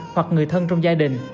hoặc người thân trong gia đình